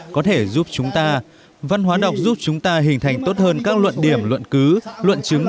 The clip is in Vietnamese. có thể giúp chúng ta văn hóa đọc giúp chúng ta hình thành tốt hơn các luận điểm luận cứ luận chứng